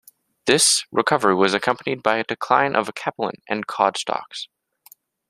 This recovery was accompanied by a decline of capelin and cod stocks.